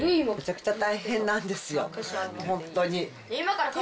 むちゃくちゃ大変なんですよ、本当に。